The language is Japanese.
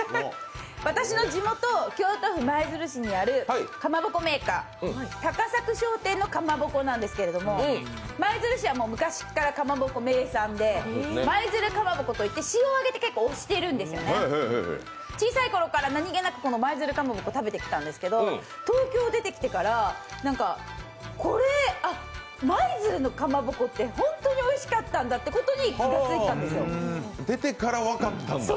私の地元、京都府舞鶴市にあるかまぼこメーカー、高作商店のかまぼこなんですけれども舞鶴市は昔からかまぼこが名産で舞鶴かまぼこといって市を挙げて、結構推しているんですね小さいころから何気なくこの舞鶴かまぼこ食べてきたんですけど東京に出てきてからこれ、舞鶴のかまぼこって本当においしかったんだってことに気がついたんですよ。